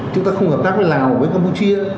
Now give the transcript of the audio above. chúng ta không hợp tác với lào với campuchia